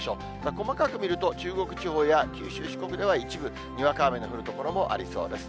細かく見ると、中国地方や九州、四国では一部、にわか雨の降る所もありそうです。